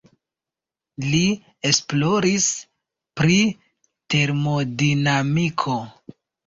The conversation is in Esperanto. Li esploris pri termodinamiko.